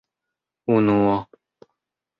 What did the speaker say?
unuo